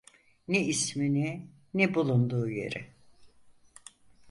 Ne ismini, ne bulunduğu yeri.